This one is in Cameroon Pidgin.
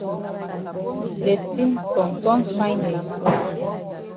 De tin ton ton fine eh.